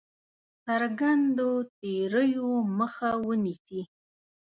څرګندو تېریو مخه ونیسي.